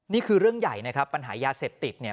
นี่คือเรื่องใหญ่นะครับปัญหายาเสพติดเนี่ย